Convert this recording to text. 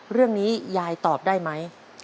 เรื่องนี้ยายตอบได้ไหม